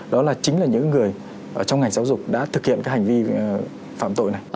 đó chính là những người ở trong ngành giáo dục đã thực hiện các hành vi phạm tội này